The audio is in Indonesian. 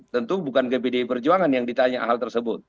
tentu bukan ke pdi perjuangan yang ditanya hal tersebut